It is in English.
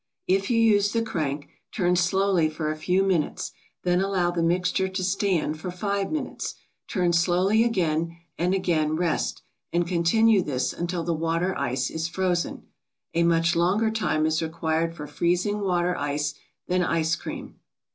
If you use the crank, turn slowly for a few minutes, then allow the mixture to stand for five minutes; turn slowly again, and again rest, and continue this until the water ice is frozen. A much longer time is required for freezing water ice than ice cream.